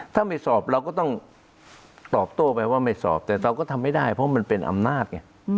ถ้าไม่สอบเราก็ต้องตอบโต้ไปว่าไม่สอบแต่เราก็ทำไม่ได้เพราะมันเป็นอำนาจไง